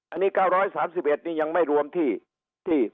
อันนี้๙๓๑นี่ยังไม่รวมที่